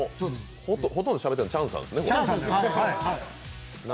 ほとんどしゃべってるのチャンさんですね。